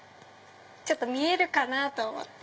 ちょっと見えるかなと思って。